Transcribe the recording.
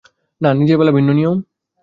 না, নিজের বেলা ভিন্ন নিয়ম?